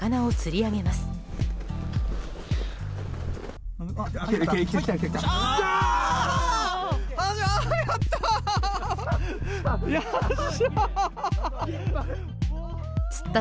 やったー！